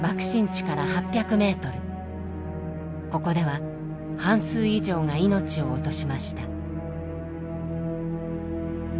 ここでは半数以上が命を落としました。